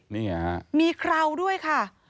นี่ไงครับมีเคราะห์ด้วยค่ะ